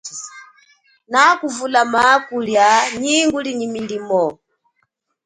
Nakuvulama kulia nyi nguli nyi milimo.